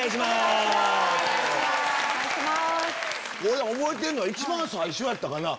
俺覚えてんのは一番最初やったかな。